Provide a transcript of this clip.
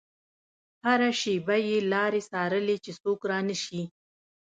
هره شېبه يې لارې څارلې چې څوک رانشي.